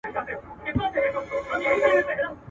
هم یې خزان هم یې بهار ښکلی دی.